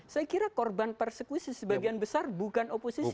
saya kira korban persekusi sebagian besar bukan oposisi